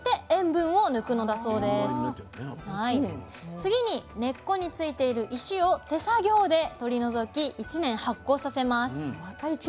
次に根っこについている石を手作業で取り除き１年発酵させます。